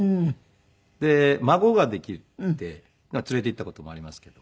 で孫ができて連れて行った事もありますけど。